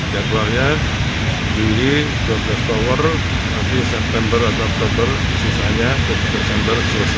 jadwalnya juli dua belas tahun nanti september atau september sisanya september selesai